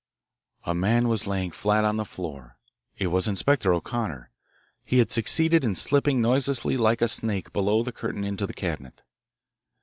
A man was lying flat on the floor it was Inspector O'Connor. He had succeeded in slipping noiselessly, like a snake, below the curtain into the cabinet.